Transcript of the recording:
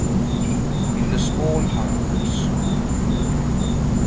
IN THE SMALL HOURS.